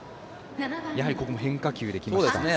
やはりここも変化球できました。